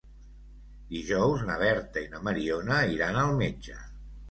Dijous na Berta i na Mariona iran al metge.